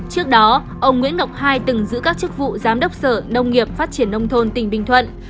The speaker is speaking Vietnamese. trước đó ông nguyễn ngọc hai từng giữ các chức vụ giám đốc sở nông nghiệp phát triển nông thôn tỉnh bình thuận